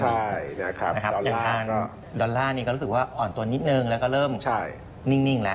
ใช่นะครับดอลลาร์ก็รู้สึกว่าอ่อนตัวนิดนึงแล้วก็เริ่มนิ่งแล้ว